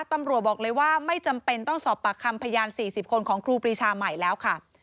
ตำรวจบอกเลยว่าไม่จำเป็นต้องสอบปากคำพยาน๔๐คนของครูปรีชาใหม่แล้วค่ะ